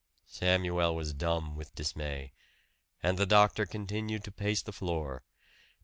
Samuel was dumb with dismay. And the doctor continued to pace the floor.